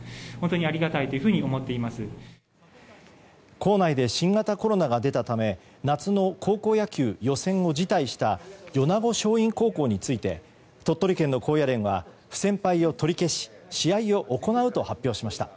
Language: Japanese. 校内で新型コロナが出たため夏の高校野球予選を辞退した米子松蔭高校について鳥取県の高野連は不戦敗を取り消し試合を行うと発表しました。